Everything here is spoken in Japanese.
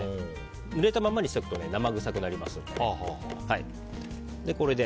ぬれたままにすると生臭くなりますので。